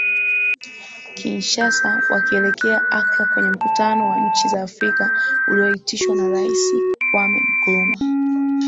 Kinshasa wakielekea Accra kwenye Mkutano wa nchi za Afrika ulioitishwa na Rais Kwame Nkrumah